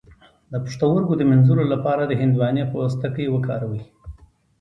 د پښتورګو د مینځلو لپاره د هندواڼې پوستکی وکاروئ